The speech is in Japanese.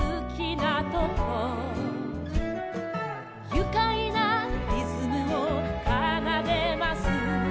「ゆかいなリズムをかなでます」